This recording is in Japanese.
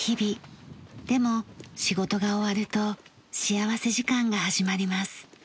でも仕事が終わると幸福時間が始まります。